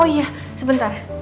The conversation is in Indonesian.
oh iya sebentar